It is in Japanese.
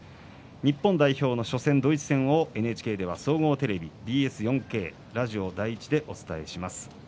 日本代表の初戦ドイツ戦をＮＨＫでは総合テレビ、ＢＳ４Ｋラジオ第１でお伝えします。